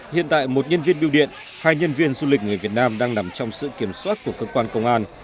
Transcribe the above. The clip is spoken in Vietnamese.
hiện tại một nhân viên biêu điện hai nhân viên du lịch người việt nam đang nằm trong sự kiểm soát của cơ quan công an